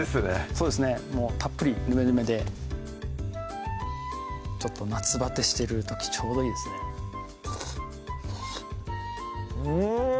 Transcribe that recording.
そうですねたっぷりぬめぬめでちょっと夏バテしてる時ちょうどいいですねうん！